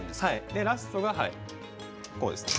でラストがこうですね。